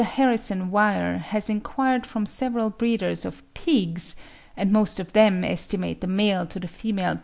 Harrison Weir has enquired from several breeders of PIGS, and most of them estimate the male to the female births as about 7 to 6.